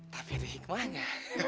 tapi ada hikmahnya